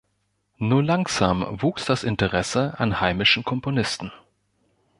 Nur langsam wuchs das Interesse an heimischen Komponisten.